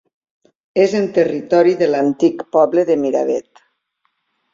És en territori de l'antic poble de Miravet.